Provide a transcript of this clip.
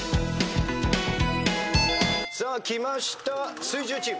さあきました水１０チーム。